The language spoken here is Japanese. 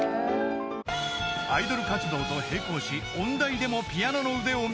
［アイドル活動と並行し音大でもピアノの腕を磨き続け］